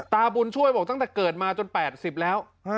บุญช่วยบอกตั้งแต่เกิดมาจน๘๐แล้ว